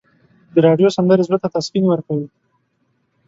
د راډیو سندرې زړه ته تسکین ورکوي.